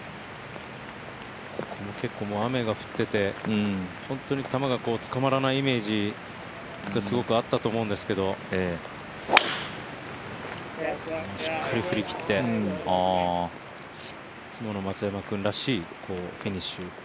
結構雨が降っていて球がつかまらないイメージがすごくあったと思うんですけどしっかり振り切っていつもの松山君らしいフィニッシュ。